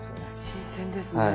新鮮ですね。